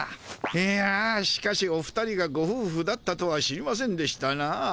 いやしかしお二人がごふうふだったとは知りませんでしたなぁ。